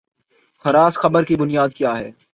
خر اس خبر کی بنیاد کیا ہے؟